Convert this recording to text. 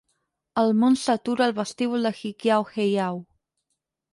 El món s'atura al vestíbul de l'Hikiau Heiau.